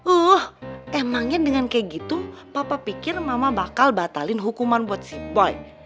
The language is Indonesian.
uh emangnya dengan kayak gitu papa pikir mama bakal batalin hukuman buat si boy